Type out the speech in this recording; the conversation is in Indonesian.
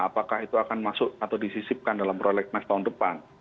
apakah itu akan masuk atau disisipkan dalam prolegnas tahun depan